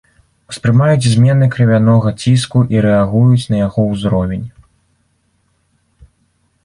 Успрымаюць змены крывянога ціску і рэагуюць на яго ўзровень.